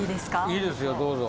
いいですよどうぞ。